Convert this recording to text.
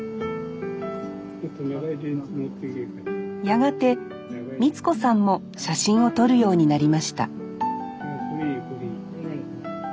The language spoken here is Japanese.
やがて光子さんも写真を撮るようになりました